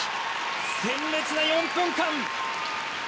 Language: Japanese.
鮮烈な４分間！